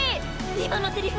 今のセリフ